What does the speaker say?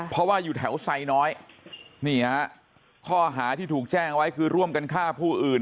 เพราะว่าอยู่แถวไซน้อยนี่ฮะข้อหาที่ถูกแจ้งไว้คือร่วมกันฆ่าผู้อื่น